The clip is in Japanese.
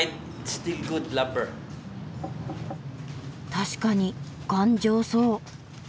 確かに頑丈そう。